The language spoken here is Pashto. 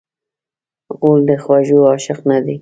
غول د خوږو عاشق نه دی.